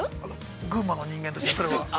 群馬の人間として、それは。